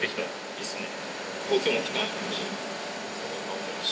いいっすね。